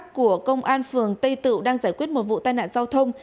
tổ công tác của công an phường tây tự đang giải quyết một vụ tai nạn giao thông